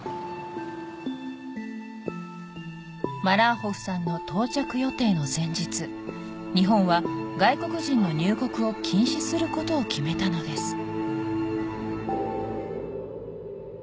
マラーホフさんの到着予定の前日日本は外国人の入国を禁止することを決めたのです